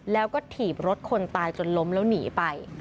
แล้วก็ถีบรถคนตายจนล้มแล้วหนีไป